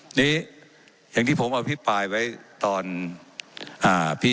เจ้าหน้าที่ของรัฐมันก็เป็นผู้ใต้มิชชาท่านนมตรี